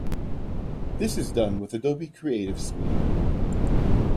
This is done with the Adobe Creative Suite.